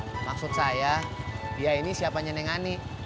maksud saya dia ini siapanya neng ani